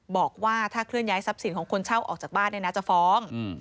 บอกว่าถ้าเคลื่อนย้ายทรัพย์สินของคนเช่าออกจากบ้านเนี่ยนะจะฟ้อง